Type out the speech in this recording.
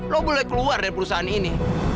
lo boleh keluar dari perusahaan ini